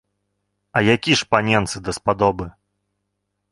А які ж паненцы даспадобы?